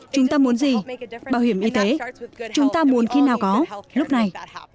chúng ta muốn gì bảo hiểm y tế chúng ta muốn khi nào có lúc này